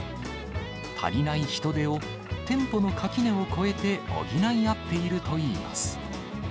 足りない人手を店舗の垣根を越えて補い合っているといいます。